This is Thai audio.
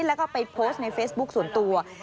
แล้วก็ไปโพสต์ในเฟซบุ๊คส่วนตัว